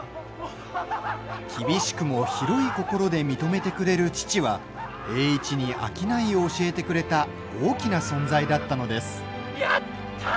厳しくも広い心で認めてくれる父は栄一に商いを教えてくれた大きな存在だったのです。